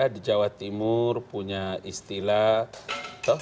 di jawa timur punya istilah